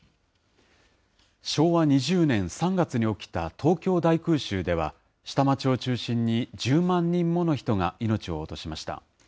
昭和２０年３月に起きた東京大空襲では、下町を中心に１０万人もの人が命を落としました。